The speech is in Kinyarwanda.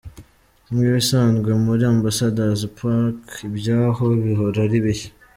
Nk’ibisanzwe muri Ambassador’s Park ibyaho bihora ari bishya.